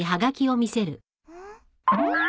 うん？